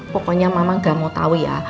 pokoknya mama gak mau tahu ya